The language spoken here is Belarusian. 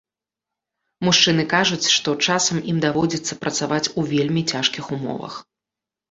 Мужчыны кажуць, што часам ім даводзіцца працаваць у вельмі цяжкіх умовах.